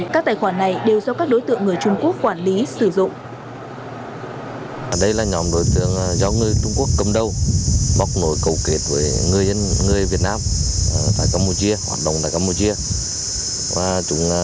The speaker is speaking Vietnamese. các tài khoản này đều do các đối tượng người trung quốc quản lý sử dụng